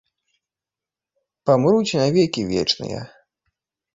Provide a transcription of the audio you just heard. Памруць на векі вечныя!